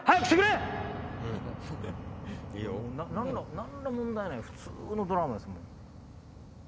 何の問題もない普通のドラマですもん。